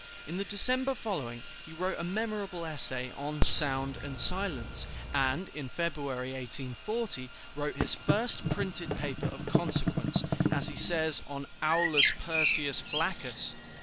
In the December following he wrote a memorable essay on "Sound and Silence," and in February, 1840, wrote his "first printed paper of consequence," as he says, on "Aulus Persius Flaccus."